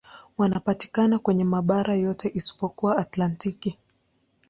Wanapatikana kwenye mabara yote isipokuwa Antaktiki.